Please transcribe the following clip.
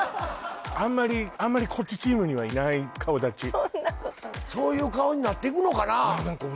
あんまりこっちチームにはいない顔だちそんなことないそういう顔になっていくのかなね